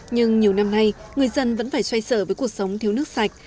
nhưng nhiều năm nay người dân vẫn phải xoay sở với cuộc sống thiếu nước sạch